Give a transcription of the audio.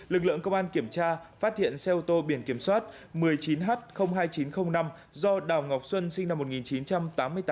lực lượng công an kiểm tra phát hiện xe ô tô biển kiểm soát một mươi chín h hai nghìn chín trăm linh năm do đào ngọc xuân sinh năm một nghìn chín trăm tám mươi tám